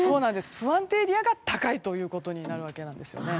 不安定エリアが高いということになるんです。